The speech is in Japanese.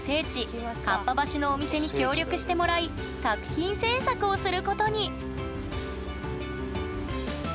今回は合羽橋のお店に協力してもらい作品制作をすることに！